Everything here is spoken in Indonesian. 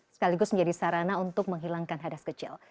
sekaligus menjadi sarana untuk menghilangkan hadas kecil